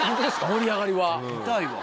盛り上がりは。